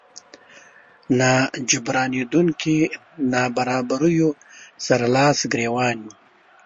ناجبرانېدونکو نابرابريو سره لاس ګریوان يو.